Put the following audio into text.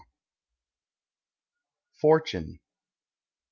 FORTUNE.